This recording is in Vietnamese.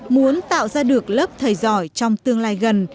muốn tạo ra được lớp thầy giỏi trong tương lai gần